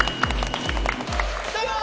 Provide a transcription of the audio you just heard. どうも！